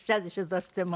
どうしても。